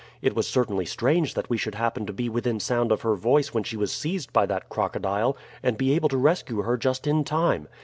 It was certainly strange that we should happen to be within sound of her voice when she was seized by that crocodile, and be able to rescue her just in time.